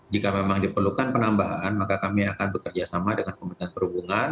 jika memang diperlukan penambahan maka kami akan bekerja sama dengan pemerintahan perhubungan